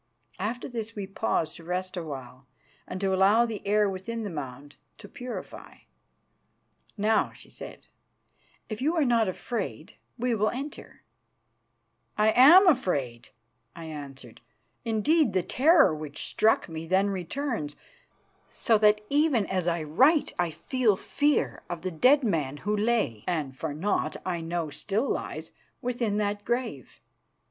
After this we paused to rest a while and to allow the air within the mound to purify. "Now," she said, "if you are not afraid, we will enter." "I am afraid," I answered. Indeed, the terror which struck me then returns, so that even as I write I feel fear of the dead man who lay, and for aught I know still lies, within that grave.